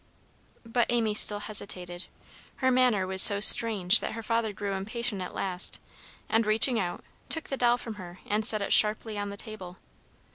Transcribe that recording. But Amy still hesitated. Her manner was so strange that her father grew impatient at last, and, reaching out, took the doll from her, and set it sharply on the table.